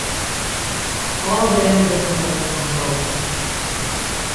Alle bern binne wolris ûndogens.